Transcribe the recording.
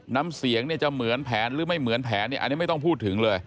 น้ำเสียงเนี่ยจะเหมือนแผนหรือไม่เหมือนแผนเนี่ยอันนี้ไม่ต้องพูดถึงเลย